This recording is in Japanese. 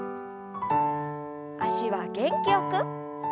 脚は元気よく。